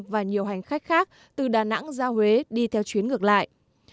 và nhiều hành khách khác từ đà nẵng ra huế đi theo chuyến ngược lại